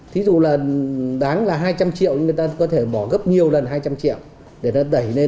thí dụ là đáng là hai trăm linh triệu nhưng người ta có thể bỏ gấp nhiều lần hai trăm linh triệu để ta đẩy lên